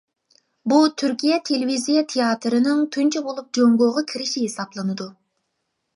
بۇ تۈركىيە تېلېۋىزىيە تىياتىرىنىڭ تۇنجى بولۇپ جۇڭگوغا كىرىشى ھېسابلىنىدۇ.